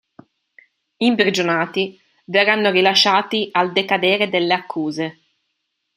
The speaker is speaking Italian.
Imprigionati, verranno rilasciati al decadere delle accuse.